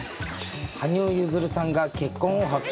羽生結弦さんが結婚を発表。